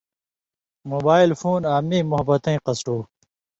موبائل فُون آں میں موحبتیں قصٹُو